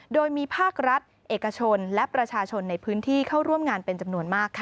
โดยมีภาครัฐเอกชนและประชาชนในพื้นที่เข้าร่วมงานเป็นจำนวนมากค่ะ